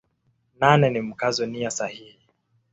Nane ni Mkazo nia sahihi.